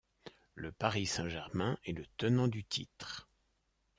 Le Paris Saint-Germain est le tenant du titre.